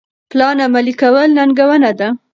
پلان عملي کول ننګونه ده.